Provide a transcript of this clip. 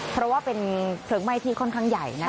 เพราะว่าเป็นเพลิงไหม้ที่ค่อนข้างใหญ่นะคะ